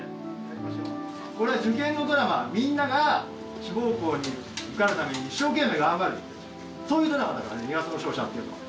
これ受験のドラマみんなが志望校に受かるために一生懸命頑張るそういうドラマ『二月の勝者』っていうのは。